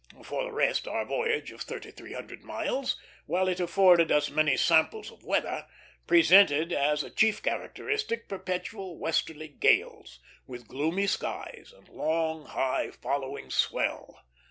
For the rest, our voyage of thirty three hundred miles, while it afforded us many samples of weather, presented as a chief characteristic perpetual westerly gales, with gloomy skies and long, high following swell.